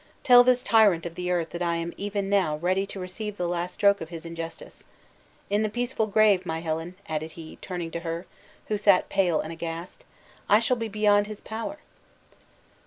"Tell this tyrant of the earth that I am even now ready to receive the last stroke of his injustice. In the peaceful grave, my Helen," added he, turning to her, who sat pale and aghast, "I shall be beyond his power!"